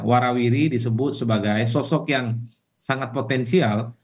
warawiri disebut sebagai sosok yang sangat potensial